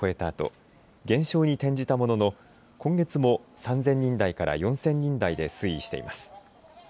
あと減少に転じたものの今月も３０００人台から４０００人台で推移しています。